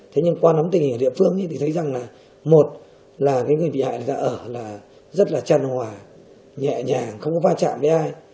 thế nhưng qua nắm tình hình ở địa phương thì thấy rằng là một là cái người bị hại ở là rất là tràn hòa nhẹ nhàng không có pha chạm với ai